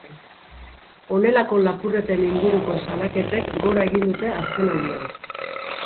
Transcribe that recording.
Honelako lapurreten inguruko salaketek gora egin dute azkenaldian.